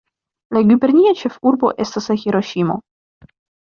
La gubernia ĉefurbo estas Hiroŝimo.